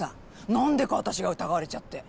何でか私が疑われちゃって。